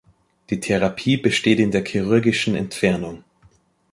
Die Therapie besteht in der chirurgischen Entfernung.